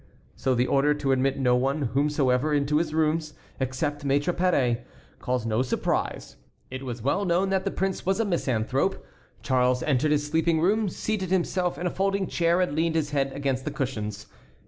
So the order to admit no one whomsoever to his rooms, except Maître Paré, caused no surprise. It was well known that the prince was a misanthrope. Charles entered his sleeping room, seated himself in a folding chair, and leaned his head against the cushions.